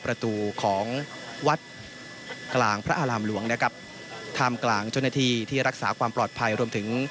ประตูของวัดกลางพระอารามหลวงนะครับท่ามกลางเจ้าหน้าที่ที่รักษาความปลอดภัยรวมถึง